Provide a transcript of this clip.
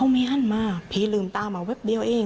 ไม่ดูมากผีก็ลืมต่อมาเว็บเดียวยัง